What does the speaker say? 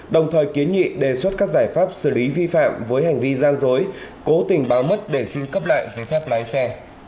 đồng thời kiến nghị đề xuất các giải pháp xử lý vi phạm với hành vi gian dối cố tình báo mất để xin cấp lại giấy phép lái xe